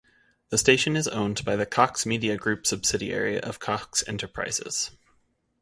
The station is owned by the Cox Media Group subsidiary of Cox Enterprises.